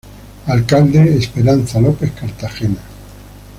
Alcalde:Esperanza Lopez Cartagena.